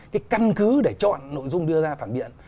cái căn cứ để chọn nội dung đưa ra phản biện